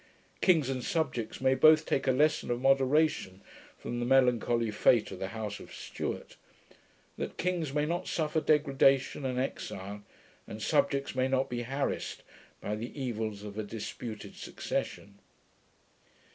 Kings and subjects may both take a lesson of moderation from the melancholy fate of the House of Stuart; that kings may not suffer degradation and exile, and subjects may not be harrassed by the evils of a disputed succession.